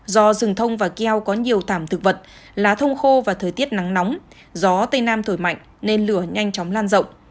do rừng thông và keo có nhiều thảm thực vật lá thông khô và thời tiết nắng nóng gió tây nam thổi mạnh nên lửa nhanh chóng lan rộng